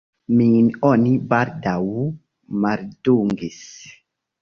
Min oni baldaŭ maldungis.